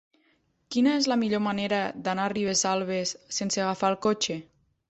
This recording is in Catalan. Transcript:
Quina és la millor manera d'anar a Ribesalbes sense agafar el cotxe?